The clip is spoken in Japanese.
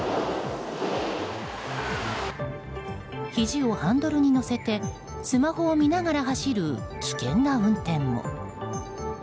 ひじをハンドルに乗せてスマホを見ながら走る危険な運転も。